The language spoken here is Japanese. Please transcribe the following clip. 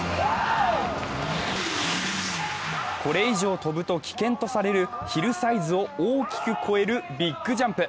これ以上飛ぶと危険とされるヒルサイズを大きく超えるビッグジャンプ。